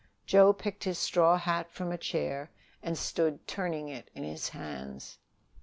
Joe picked his straw hat from a chair and stood turning it in his hands.